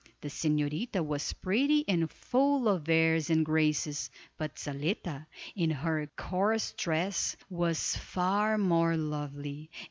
The señorita was pretty and full of airs and graces, but Zaletta, in her coarse dress, was far more lovely.